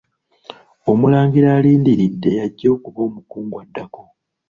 Omulangira alindiridde y'ajja okuba omukungu addako.